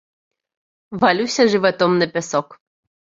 Валюся жыватом на пясок.